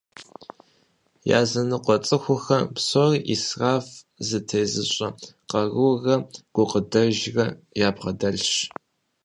Языныкъуэ цӏыхухэм псори исраф зытезыщӏэ къарурэ гукъыдэжрэ ябгъэдэлъщ.